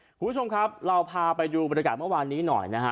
คุณผู้ชมครับเราพาไปดูบรรยากาศเมื่อวานนี้หน่อยนะฮะ